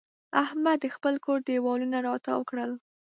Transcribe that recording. احمد د خپل کور دېوالونه را تاوو کړل.